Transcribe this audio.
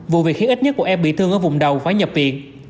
vụ việc khiến ít nhất của em bị thương ở vùng đầu phải nhập viện